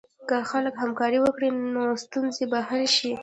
که خلک همکاري وکړي، نو ستونزه به حل شي.